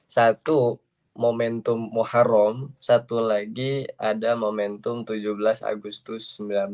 satu momentum muharram satu lagi ada momentum tujuh belas agustus seribu sembilan ratus empat puluh